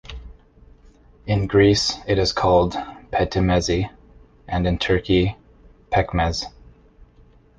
In Greece, it is called "petimezi" and in Turkey "pekmez".